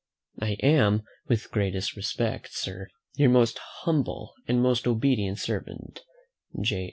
"I am, with the greatest respect, Sir, "Your most humble, and "Most obedient servant, "J.